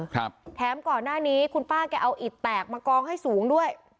ครับแถมก่อนหน้านี้คุณป้าแกเอาอิดแตกมากองให้สูงด้วย